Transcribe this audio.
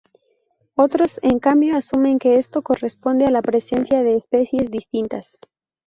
Otros, en cambio, asumen que esto corresponde a la presencia de especies distintas.